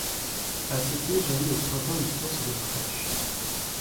À ses pieds jaillit au printemps une source d'eau fraîche.